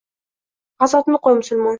G’azotni qo’y, musulmon —